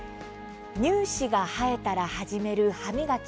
乳歯が生えたら始める歯磨き。